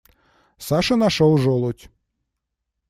Саша нашел желудь.